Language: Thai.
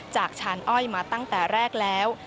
ชานอ้อยมาตั้งแต่แรกแล้ว